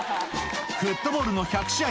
フットボールの１００試合